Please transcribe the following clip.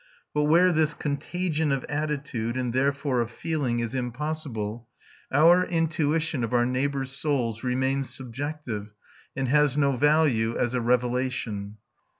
But where this contagion of attitude, and therefore of feeling, is impossible, our intuition of our neighbours' souls remains subjective and has no value as a revelation.